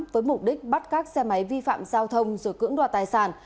với mục đích bắt các xe máy vi phạm giao thông rồi cưỡng đoạt tài sản